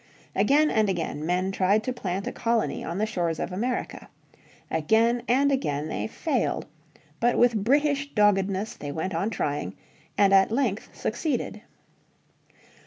Again and again men tried to plant a colony on the shores of America. Again and again they failed. But with British doggedness they went on trying, and at length succeeded.